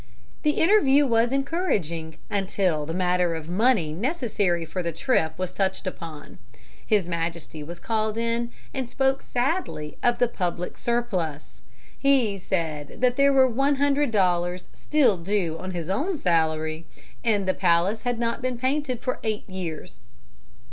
The interview was encouraging until the matter of money necessary for the trip was touched upon. His Majesty was called in, and spoke sadly of the public surplus. He said that there were one hundred dollars still due on his own salary, and the palace had not been painted for eight years.